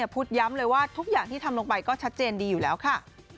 พูดย้ำเลยว่าทุกอย่างที่ทำลงไปก็ชัดเจนดีอยู่แล้วค่ะ